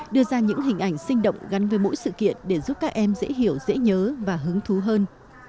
đưa ra những hình ảnh sinh động gắn với mỗi sự kiện để giúp các em dễ hiểu dễ nhớ và hứng thú hơn